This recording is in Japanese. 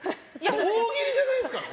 大喜利じゃないですから。